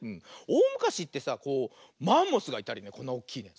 おおむかしってさこうマンモスがいたりこんなおっきいね。